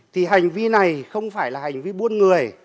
thì hành vi này không phải là hành vi buôn người